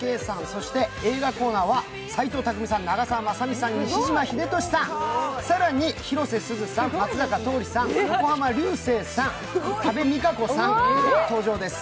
そして映画コーナーは斎藤工さん、長澤まさみさん、西島秀俊さん、更に広瀬すずさん、松坂桃李さん、横浜流星さん、多部未華子さんが登場です。